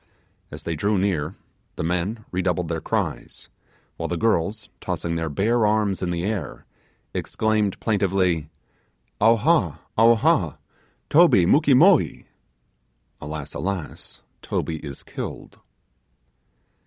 As they drew near, the men redoubled their cries, while the girls, tossing their bare arms in the air, exclaimed plaintively, 'Awha! awha! Toby mukee moee!' Alas! alas! Toby is killed!